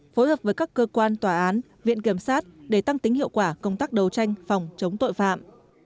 phối hợp với các cơ quan tòa án viện kiểm sát để tăng tính hiệu quả công tác đấu tranh phòng chống tội phạm